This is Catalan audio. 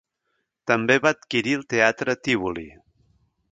També va adquirir el Teatre Tívoli.